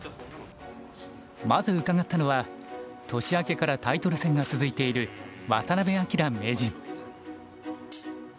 まず伺ったのは年明けからタイトル戦が続いている渡辺明名人。